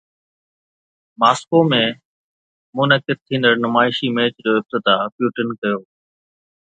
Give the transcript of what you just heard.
Moscow ۾ منعقد ٿيندڙ نمائشي ميچ جو افتتاح پيوٽن ڪيو